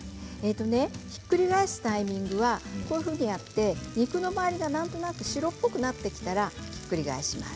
ひっくり返すタイミングは肉の周りがなんとなく白っぽくなってきたらひっくり返します。